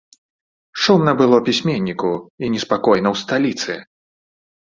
Шумна было пісьменніку і неспакойна ў сталіцы.